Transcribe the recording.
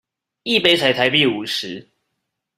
一杯才台幣五十